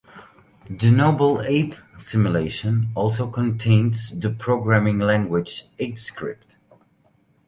The Noble Ape Simulation also contains the programming language, ApeScript.